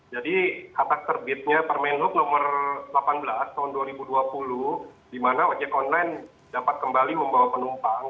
jadi kata terbitnya permain loop nomor delapan belas tahun dua ribu dua puluh dimana ojek on air dapat kembali membawa penumpang